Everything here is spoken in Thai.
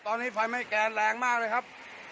ตอนนี้ไฟไหม้แกนแรงมากเลยครับ